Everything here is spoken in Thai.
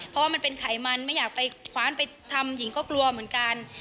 เพราะว่ามันเป็นไขมันไม่อยากไปคว้านไปทำหญิงก็กลัวเหมือนกัน